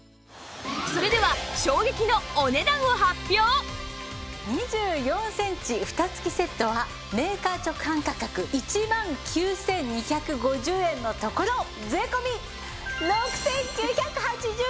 それでは２４センチフタ付きセットはメーカー直販価格１万９２５０円のところ税込６９８０円です！